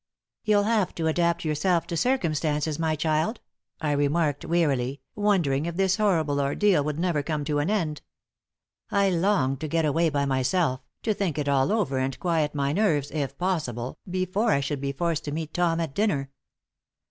"You'll have to adapt yourself to circumstances, my child," I remarked, wearily, wondering if this horrible ordeal would never come to an end. I longed to get away by myself, to think it all over and quiet my nerves, if possible, before I should be forced to meet Tom at dinner.